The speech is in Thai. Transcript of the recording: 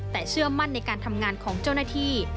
แต่เชื่อมั่นในการทำงานของเจ้าหน้าที่